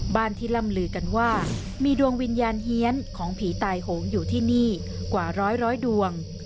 บ้านที่ล่ำลือกันว่ามีดวงวิญญาณเฮียนของผีตายโหงอยู่ที่นี่กว่าร้อยดวง